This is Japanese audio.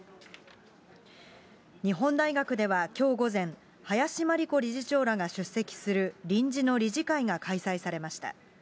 日本大学ではきょう午前、林真理子理事長らが出席する臨時の理事会が開催されました。